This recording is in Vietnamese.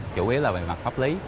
chủ yếu là về mặt pháp lý